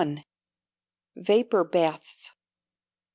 Vapour Baths.